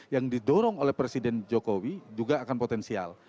yang didorong oleh presiden jokowi juga akan potensial